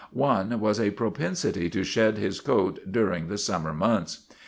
One was a prospensity to shed his coat dur ing the summer months.